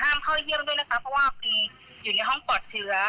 เข้าเยี่ยมด้วยนะคะเพราะว่ามีอยู่ในห้องปลอดเชื้อ